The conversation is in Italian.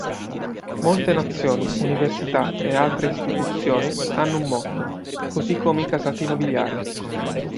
Molte nazioni, università e altre istituzioni hanno un motto, così come i casati nobiliari.